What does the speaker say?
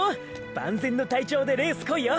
万全の体調でレース来いよ！